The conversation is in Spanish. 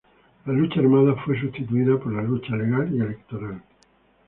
La lucha armada fue substituida por la lucha legal y electoral.